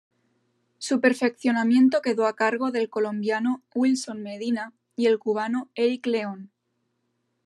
Su perfeccionamiento quedó a cargo del colombiano Wilson Medina y el cubano Erik León.